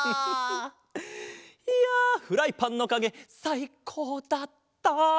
いやフライパンのかげさいこうだった！